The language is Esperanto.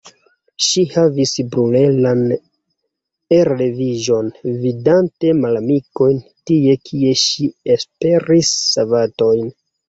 Ŝi havis kruelan elreviĝon vidante malamikojn, tie, kie ŝi esperis savantojn.